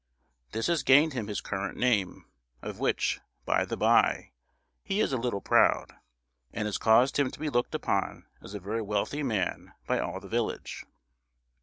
This has gained him his current name, of which, by the by, he is a little proud; and has caused him to be looked upon as a very wealthy man by all the village.